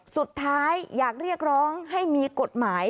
สุดท้ายอยากเรียกร้องให้มีกฎหมาย